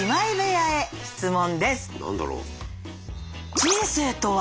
何だろう？